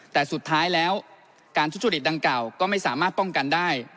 แต่สุดท้ายแล้วการทุจริตดังกล่าวก็ไม่สามารถป้องกันได้